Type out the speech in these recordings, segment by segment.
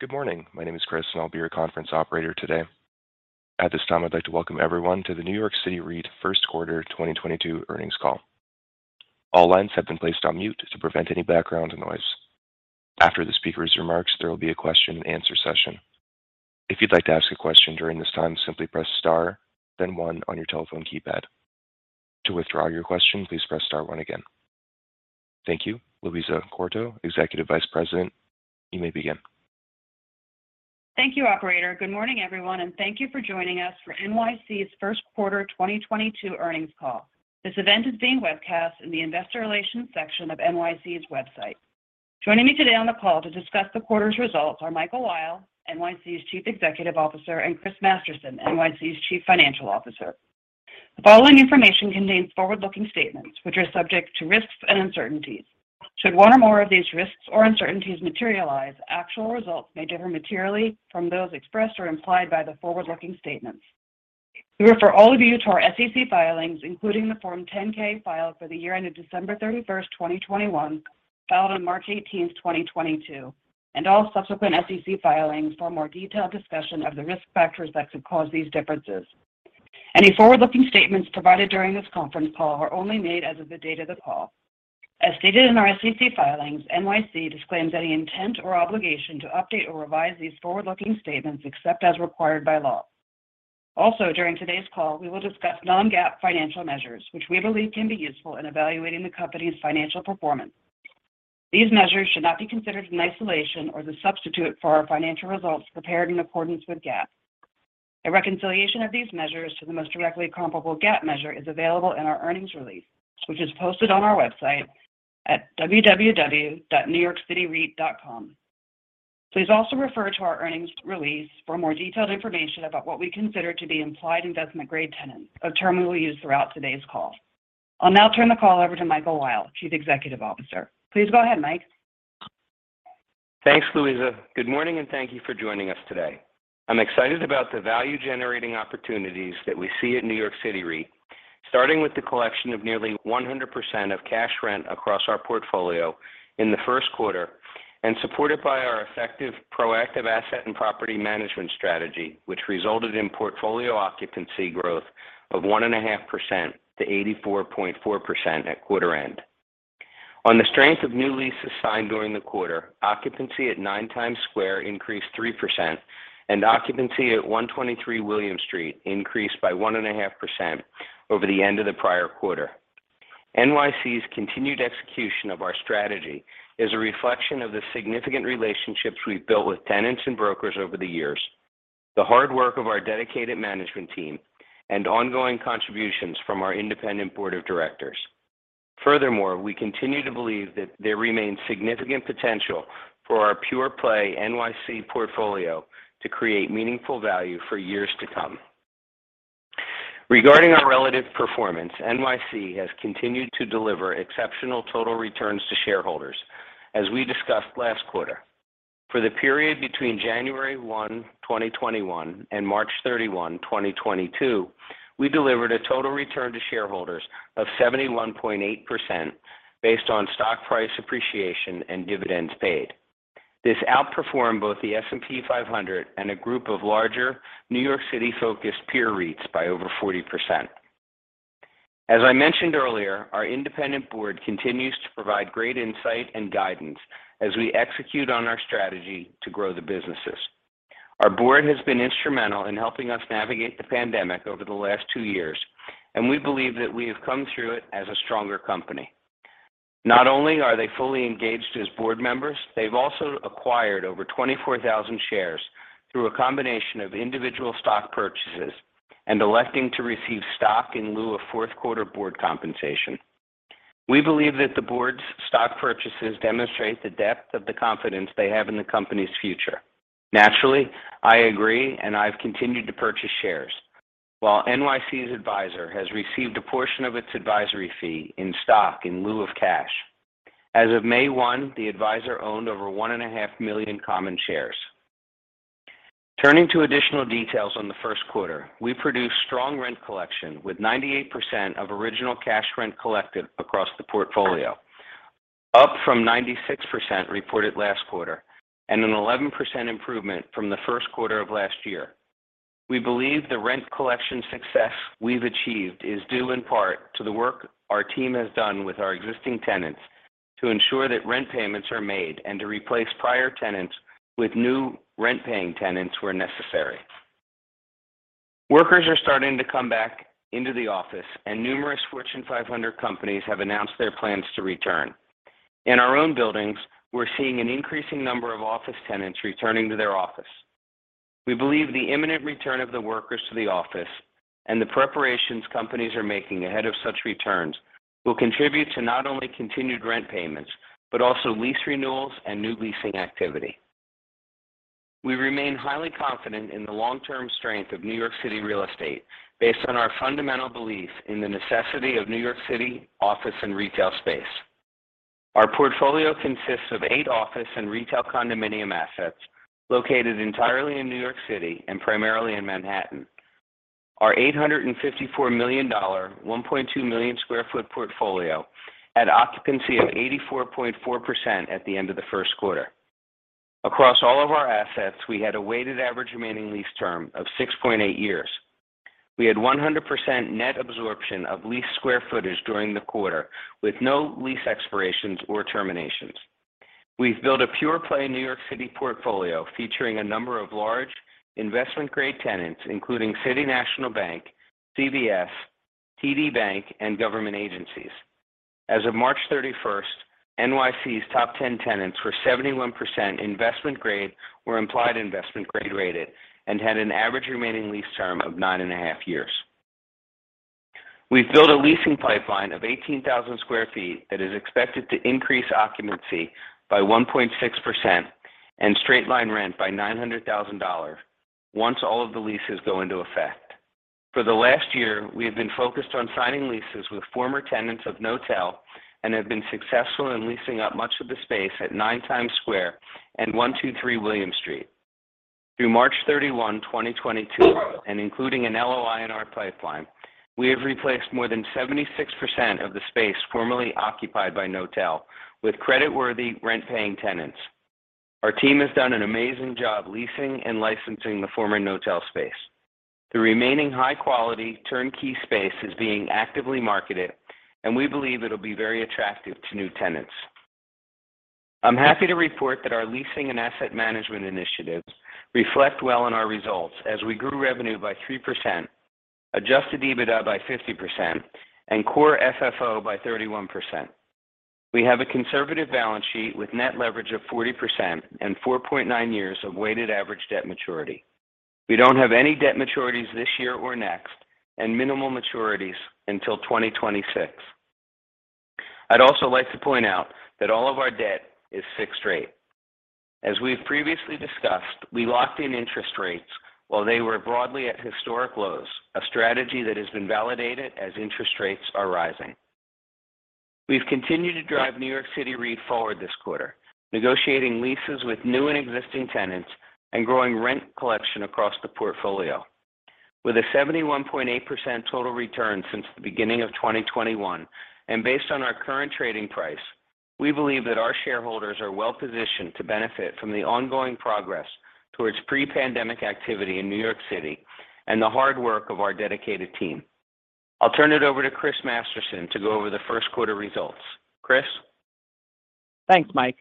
Good morning. My name is Chris and I'll be your conference operator today. At this time, I'd like to welcome everyone to the American Strategic Investment Q1 2022 earnings call. All lines have been placed on mute to prevent any background noise. After the speaker's remarks, there will be a question and answer session. If you'd like to ask a question during this time, simply press star, then one on your telephone keypad. To withdraw your question, please press star one again. Thank you. Louisa Quarto, Executive Vice President, you may begin. Thank you, operator. Good morning, everyone, and thank you for joining us for NYC's Q1 2022 earnings call. This event is being webcast in the investor relations section of NYC's website. Joining me today on the call to discuss the quarter's results are Michael Weil, NYC's Chief Executive Officer, and Christopher Masterson, NYC's Chief Financial Officer. The following information contains forward-looking statements, which are subject to risks and uncertainties. Should one or more of these risks or uncertainties materialize, actual results may differ materially from those expressed or implied by the forward-looking statements. We refer all of you to our SEC filings, including the Form 10-K filed for the year ended December 31, 2021, filed on March 18, 2022, and all subsequent SEC filings for a more detailed discussion of the risk factors that could cause these differences. Any forward-looking statements provided during this conference call are only made as of the date of the call. As stated in our SEC filings, NYC disclaims any intent or obligation to update or revise these forward-looking statements except as required by law. Also, during today's call, we will discuss non-GAAP financial measures, which we believe can be useful in evaluating the company's financial performance. These measures should not be considered in isolation or as a substitute for our financial results prepared in accordance with GAAP. A reconciliation of these measures to the most directly comparable GAAP measure is available in our earnings release, which is posted on our website at www.newyorkcityreit.com. Please also refer to our earnings release for more detailed information about what we consider to be implied Investment Grade tenants, a term we'll use throughout today's call. I'll now turn the call over to Michael Weil, Chief Executive Officer. Please go ahead, Mike. Thanks, Louisa. Good morning, and thank you for joining us today. I'm excited about the value-generating opportunities that we see at New York City REIT, starting with the collection of nearly 100% of cash rent across our portfolio in the Q1 and supported by our effective proactive asset and property management strategy, which resulted in portfolio occupancy growth of 1.5% to 84.4% at quarter end. On the strength of new leases signed during the quarter, occupancy at Nine Times Square increased 3%, and occupancy at 123 William Street increased by 1.5% over the end of the prior quarter. NYC's continued execution of our strategy is a reflection of the significant relationships we've built with tenants and brokers over the years, the hard work of our dedicated management team, and ongoing contributions from our independent board of directors. Furthermore, we continue to believe that there remains significant potential for our pure play NYC portfolio to create meaningful value for years to come. Regarding our relative performance, NYC has continued to deliver exceptional total returns to shareholders, as we discussed last quarter. For the period between January 1, 2021 and March 31, 2022, we delivered a total return to shareholders of 71.8% based on stock price appreciation and dividends paid. This outperformed both the S&P 500 and a group of larger New York City-focused peer REITs by over 40%. As I mentioned earlier, our independent board continues to provide great insight and guidance as we execute on our strategy to grow the businesses. Our board has been instrumental in helping us navigate the pandemic over the last two years, and we believe that we have come through it as a stronger company. Not only are they fully engaged as board members, they've also acquired over 24,000 shares through a combination of individual stock purchases and electing to receive stock in lieu of Q4 board compensation. We believe that the board's stock purchases demonstrate the depth of the confidence they have in the company's future. Naturally, I agree, and I've continued to purchase shares. While NYC's advisor has received a portion of its advisory fee in stock in lieu of cash. As of May 1, the advisor owned over 1.5 million common shares. Turning to additional details on the Q1, we produced strong rent collection with 98% of original cash rent collected across the portfolio, up from 96% reported last quarter, and an 11% improvement from the Q1 of last year. We believe the rent collection success we've achieved is due in part to the work our team has done with our existing tenants to ensure that rent payments are made and to replace prior tenants with new rent-paying tenants where necessary. Workers are starting to come back into the office, and numerous Fortune 500 companies have announced their plans to return. In our own buildings, we're seeing an increasing number of office tenants returning to their office. We believe the imminent return of the workers to the office and the preparations companies are making ahead of such returns will contribute to not only continued rent payments, but also lease renewals and new leasing activity. We remain highly confident in the long-term strength of New York City real estate based on our fundamental belief in the necessity of New York City office and retail space. Our portfolio consists of eight office and retail condominium assets located entirely in New York City and primarily in Manhattan. Our $854 million, 1.2 million sq ft portfolio had occupancy of 84.4% at the end of the Q1. Across all of our assets, we had a weighted average remaining lease term of 6.8 years. We had 100% net absorption of leased square footage during the quarter, with no lease expirations or terminations. We've built a pure play New York City portfolio featuring a number of large Investment Grade tenants, including City National Bank, CVS, TD Bank, and government agencies. As of March thirty-first, NYC's top 10 tenants were 71% Investment Grade or implied Investment Grade rated and had an average remaining lease term of 9.5 years. We've built a leasing pipeline of 18,000 sq ft that is expected to increase occupancy by 1.6% and Straight-Line Rent by $900,000 once all of the leases go into effect. For the last year, we have been focused on signing leases with former tenants of Knotel and have been successful in leasing up much of the space at Nine Times Square and 123 William Street. Through March 31, 2022, and including an LOI in our pipeline, we have replaced more than 76% of the space formerly occupied by Knotel with creditworthy rent-paying tenants. Our team has done an amazing job leasing and licensing the former Knotel space. The remaining high quality turnkey space is being actively marketed, and we believe it'll be very attractive to new tenants. I'm happy to report that our leasing and asset management initiatives reflect well on our results as we grew revenue by 3%, adjusted EBITDA by 50%, and core FFO by 31%. We have a conservative balance sheet with net leverage of 40% and 4.9 years of weighted average debt maturity. We don't have any debt maturities this year or next, and minimal maturities until 2026. I'd also like to point out that all of our debt is fixed-rate. As we've previously discussed, we locked in interest rates while they were broadly at historic lows, a strategy that has been validated as interest rates are rising. We've continued to drive New York City REIT forward this quarter, negotiating leases with new and existing tenants and growing rent collection across the portfolio. With a 71.8% total return since the beginning of 2021, and based on our current trading price, we believe that our shareholders are well positioned to benefit from the ongoing progress towards pre-pandemic activity in New York City and the hard work of our dedicated team. I'll turn it over to Chris Masterson to go over the Q1 results. Chris. Thanks, Mike.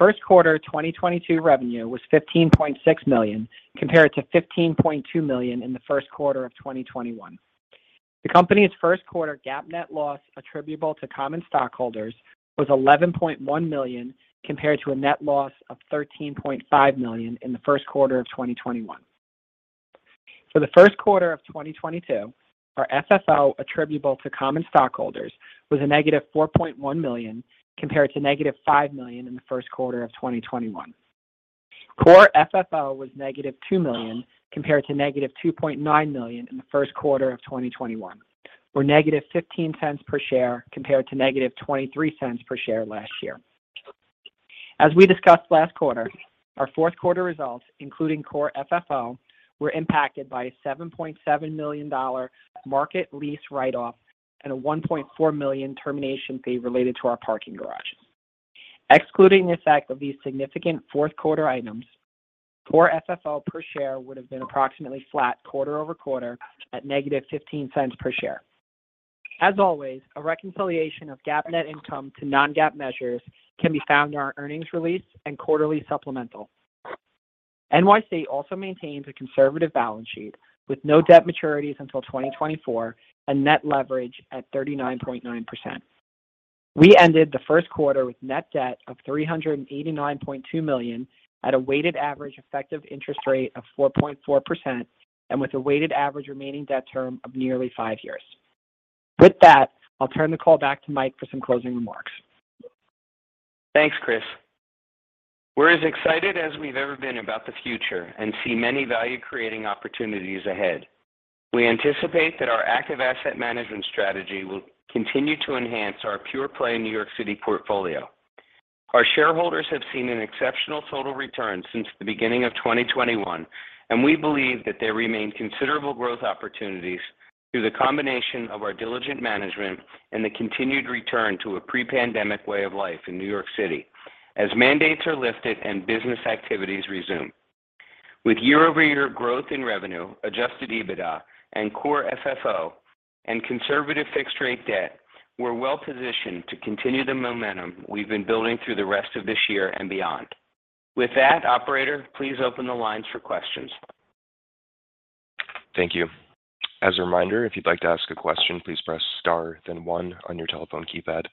Q1 2022 revenue was $15.6 million, compared to $15.2 million in the Q1 of 2021. The company's Q1 GAAP net loss attributable to common stockholders was $11.1 million, compared to a net loss of $13.5 million in the Q1 of 2021. For the Q1 of 2022, our FFO attributable to common stockholders was -$4.1 million, compared to -$5 million in the Q1 of 2021. Core FFO was -$2 million, compared to -$2.9 million in the Q1 of 2021, or -$0.15 per share, compared to -$0.23 per share last year. As we discussed last quarter, our Q4 results, including Core FFO, were impacted by a $7.7 million market lease write-off and a $1.4 million termination fee related to our parking garage. Excluding the effect of these significant Q4 items, Core FFO per share would have been approximately flat quarter-over-quarter at -$0.15 per share. As always, a reconciliation of GAAP net income to non-GAAP measures can be found in our earnings release and quarterly supplemental. NYC also maintains a conservative balance sheet with no debt maturities until 2024 and net leverage at 39.9%. We ended the Q1 with net debt of $389.2 million at a weighted average effective interest rate of 4.4% and with a weighted average remaining debt term of nearly 5 years. With that, I'll turn the call back to Mike for some closing remarks. Thanks, Chris. We're as excited as we've ever been about the future and see many value creating opportunities ahead. We anticipate that our active asset management strategy will continue to enhance our pure play New York City portfolio. Our shareholders have seen an exceptional total return since the beginning of 2021, and we believe that there remain considerable growth opportunities through the combination of our diligent management and the continued return to a pre-pandemic way of life in New York City as mandates are lifted and business activities resume. With year-over-year growth in revenue, adjusted EBITDA and Core FFO and conservative fixed rate debt, we're well positioned to continue the momentum we've been building through the rest of this year and beyond. With that, operator, please open the lines for questions. Thank you. As a reminder, if you'd like to ask a question, please press star then one on your telephone keypad.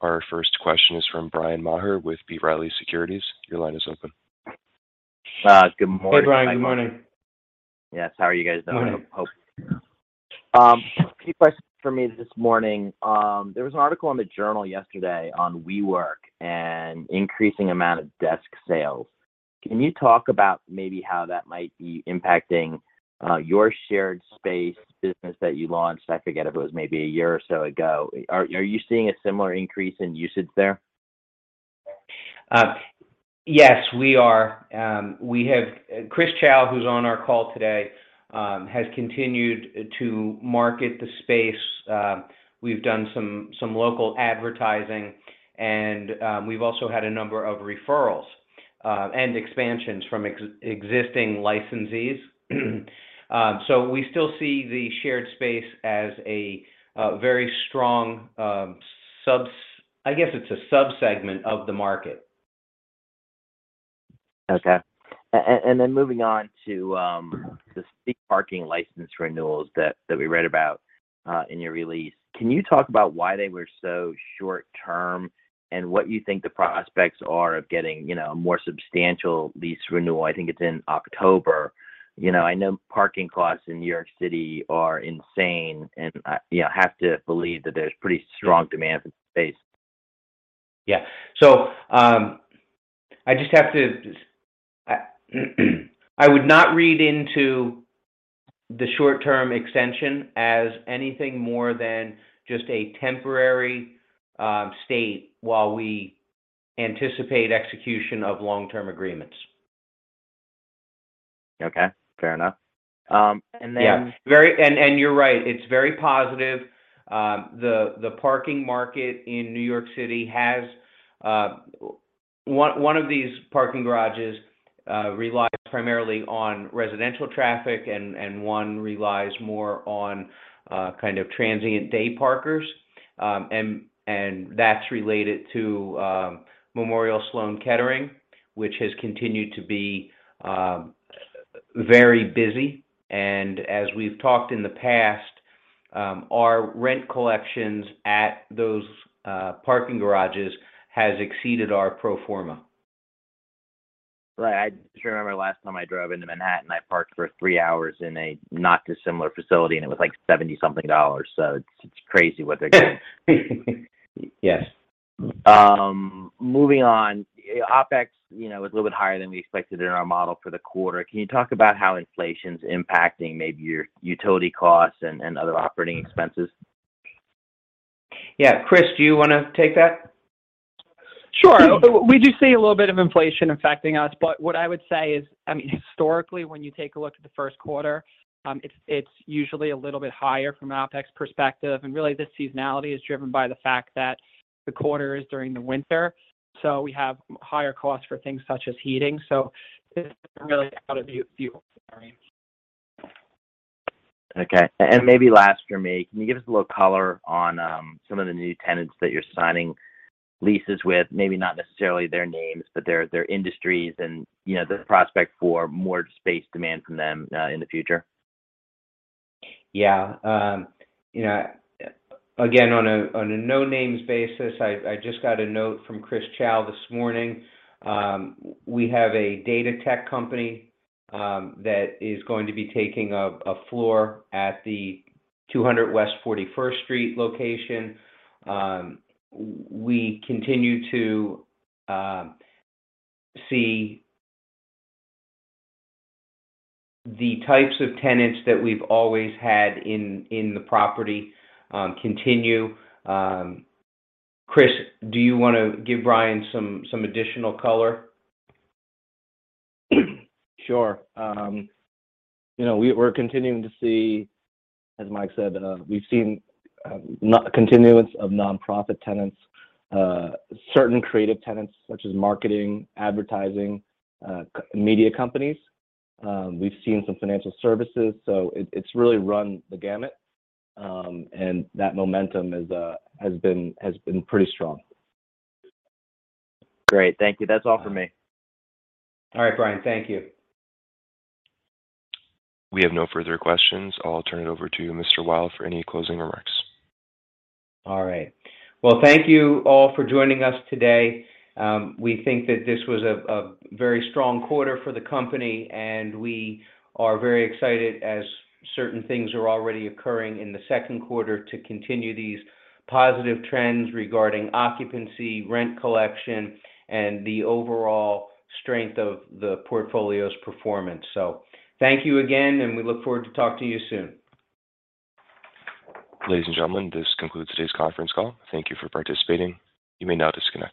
Our first question is from Bryan Maher with B. Riley Securities. Your line is open. Good morning. Hey, Bryan. Good morning. Yes, how are you guys doing? A few questions for me this morning. There was an article in the journal yesterday on WeWork and increasing amount of desk sales. Can you talk about maybe how that might be impacting your shared space business that you launched? I forget if it was maybe a year or so ago. Are you seeing a similar increase in usage there? Yes, we are. We have Christopher Chao, who's on our call today, has continued to market the space. We've done some local advertising, and we've also had a number of referrals and expansions from existing licensees. We still see the shared space as a very strong sub-segment of the market. I guess it's a sub-segment of the market. Okay. Moving on to the parking license renewals that we read about in your release. Can you talk about why they were so short term, and what you think the prospects are of getting, you know, a more substantial lease renewal? I think it's in October. You know, I know parking costs in New York City are insane, and you have to believe that there's pretty strong demand for space. Yeah. I would not read into the short-term extension as anything more than just a temporary state while we anticipate execution of long-term agreements. Okay. Fair enough. Yeah. You're right, it's very positive. The parking market in New York City has one of these parking garages that relies primarily on residential traffic and one relies more on kind of transient day parkers. That's related to Memorial Sloan Kettering, which has continued to be very busy. As we've talked in the past, our rent collections at those parking garages has exceeded our pro forma. Right. I just remember last time I drove into Manhattan, I parked for three hours in a not dissimilar facility, and it was like $70-something. It's crazy what they're doing. Yes. Moving on. OpEx, you know, was a little bit higher than we expected in our model for the quarter. Can you talk about how inflation's impacting maybe your utility costs and other operating expenses? Yeah. Chris, do you wanna take that? Sure. We do see a little bit of inflation affecting us, but what I would say is, I mean, historically, when you take a look at the Q1, it's usually a little bit higher from an OpEx perspective. Really this seasonality is driven by the fact that the quarter is during the winter, so we have higher costs for things such as heating. This is really out of the view. Sorry. Okay. Maybe last for me, can you give us a little color on some of the new tenants that you're signing leases with? Maybe not necessarily their names, but their industries and, you know, the prospect for more space demand from them in the future. Yeah. You know, again, on a no-names basis, I just got a note from Christopher Chao this morning. We have a data tech company that is going to be taking a floor at the 200 West 41st Street location. We continue to see the types of tenants that we've always had in the property continue. Chris, do you wanna give Bryan some additional color? Sure. You know, we're continuing to see, as Mike said, we've seen continuance of nonprofit tenants, certain creative tenants such as marketing, advertising, media companies. We've seen some financial services, so it's really run the gamut. That momentum has been pretty strong. Great. Thank you. That's all for me. All right, Bryan, thank you. We have no further questions. I'll turn it over to you, Mr. Weil, for any closing remarks. All right. Well, thank you all for joining us today. We think that this was a very strong quarter for the company, and we are very excited as certain things are already occurring in the Q2 to continue these positive trends regarding occupancy, rent collection, and the overall strength of the portfolio's performance. Thank you again, and we look forward to talk to you soon. Ladies and gentlemen, this concludes today's conference call. Thank you for participating. You may now disconnect.